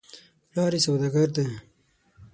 پلار یې سودا ګر دی .